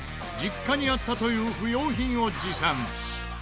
実家にあったという不要品を持参。